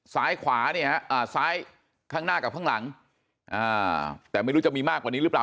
ซ้ายขวาเนี่ยฮะซ้ายข้างหน้ากับข้างหลังแต่ไม่รู้จะมีมากกว่านี้หรือเปล่า